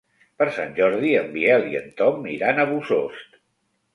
Per Sant Jordi en Biel i en Tom iran a Bossòst.